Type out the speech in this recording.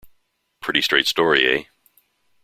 Pretty straight story, eh?